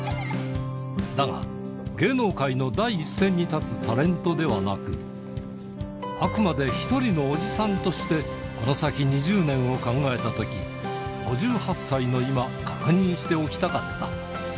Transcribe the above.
だが、芸能界の第一線に立つタレントではなく、あくまで一人のおじさんとして、この先２０年を考えたときに、５８歳の今、確認しておきたかった。